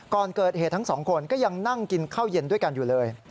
ก่อนเกิดเหตุทั้งสองคนก็ยังนั่งกินข้าวเย็นด้วยกันอยู่เลย